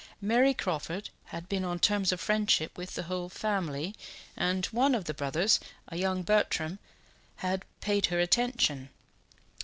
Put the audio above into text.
Mary Crawford had been on terms of friendship with the whole family, and one of the brothers, a young Bertram, had paid her attention.